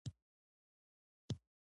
دوی ورته عذرونه تراشي